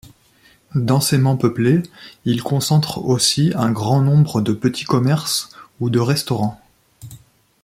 Densément peuplé, il concentre aussi un grand nombre de petits commerces ou de restaurants.